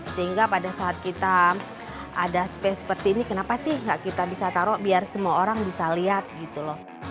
sehingga pada saat kita ada space seperti ini kenapa sih nggak kita bisa taruh biar semua orang bisa lihat gitu loh